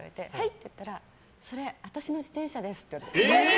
って言ったらそれ、私の自転車ですって。